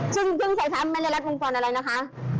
ซึ่งถ้าใช้ทางแม่งแรงรัดวงจรอะไรนะคะ